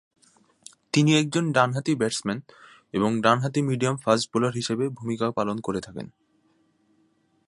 তিনি একজন ডানহাতি ব্যাটসম্যান এবং ডানহাতি মিডিয়াম ফাস্ট বোলার হিসেবে ভূমিকা পালন করে থাকেন।